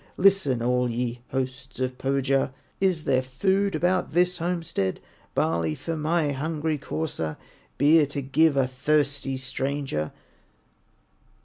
Listen, all ye hosts of Pohya; Is there food about this homestead, Barley for my hungry courser, Beer to give a thirsty stranger?"